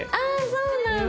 そうなんだ。